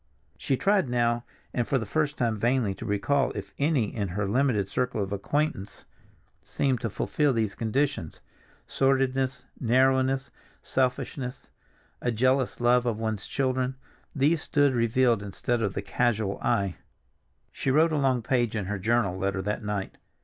She tried now and for the first time vainly to recall if any in her limited circle of acquaintance seemed to fulfill these conditions. Sordidness, narrowness, selfishness, a jealous love of one's children, these stood revealed instead to the casual eye. She wrote a long page in her journal letter that night.